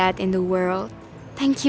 gara gara si usus goreng nih